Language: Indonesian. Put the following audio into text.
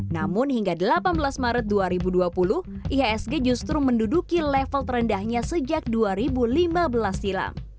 namun hingga delapan belas maret dua ribu dua puluh ihsg justru menduduki level terendahnya sejak dua ribu lima belas silam